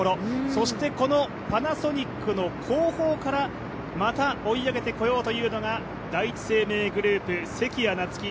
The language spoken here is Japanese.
そしてパナソニックの後方からまた追い上げてこようというのが第一生命グループ・関谷夏希。